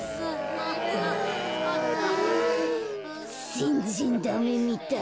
ぜんぜんダメみたい。